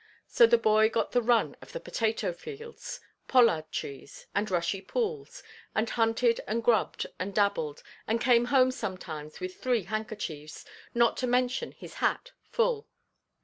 So the boy got the run of the potato–fields, pollard–trees, and rushy pools, and hunted and grubbed and dabbled, and came home sometimes with three handkerchiefs, not to mention his hat, full.